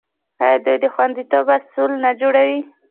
آیا دوی د خوندیتوب اصول نه جوړوي؟